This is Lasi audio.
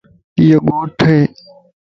ايو گھوٽ ائي